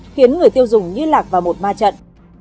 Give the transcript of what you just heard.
khiến người tiêu dùng như lạc vào một ma trận